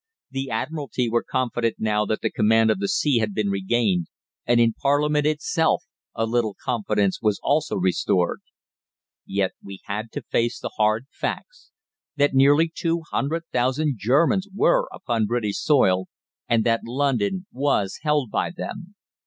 The Admiralty were confident now that the command of the sea had been regained, and in Parliament itself a little confidence was also restored. Yet we had to face the hard facts that nearly two hundred thousand Germans were upon British soil, and that London was held by them.